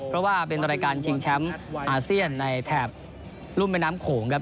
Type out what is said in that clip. เพราะว่าเป็นรายการชิงแชมป์อาเซียนในแถบรุ่มแม่น้ำโขงครับ